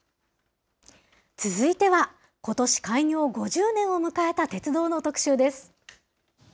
続いては、ことし開業５０年を迎えた鉄道の特集です。